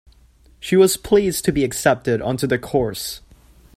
She was pleased to be accepted onto the course